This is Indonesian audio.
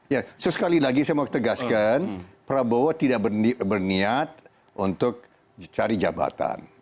ya sekali lagi saya mau tegaskan prabowo tidak berniat untuk cari jabatan